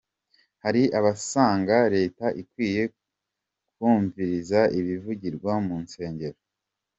Hari abasanga Leta ikwiye kumviriza ibivugirwa mu nsengero.